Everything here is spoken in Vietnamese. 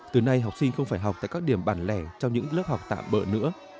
từ nay học sinh không phải học tại các điểm bản lẻ trong những lớp học tạm bỡ nữa